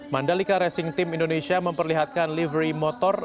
mandalika racing team indonesia memperlihatkan livery motor